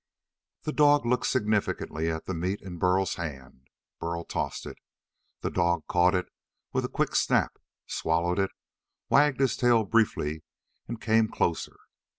The dog looked significantly at meat in Burl's hand. Burl tossed it. The dog caught it with a quick snap, swallowed it, wagged his tail briefly and came closer.